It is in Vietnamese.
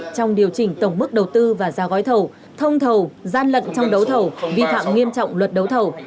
trong điều chỉnh tổng mức đầu tư và giao gói thẩu thông thẩu gian lật trong đấu thẩu vi phạm nghiêm trọng luật đấu thẩu